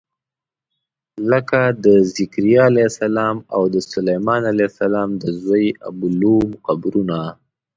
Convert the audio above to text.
لکه د ذکریا علیه السلام او د سلیمان علیه السلام د زوی ابولوم قبرونه.